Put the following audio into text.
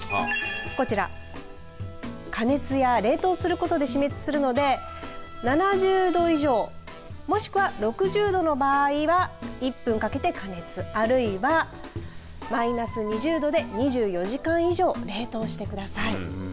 こちら、加熱や冷凍することで死滅するので７０度以上もしくは６０度の場合は１分かけて加熱あるいはマイナス２０度で２４時間以上冷凍してください。